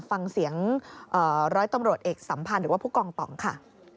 ฟังเสียงร้อยตำรวจเอกสัมพันธ์หรือว่าผู้กองต่องค่ะ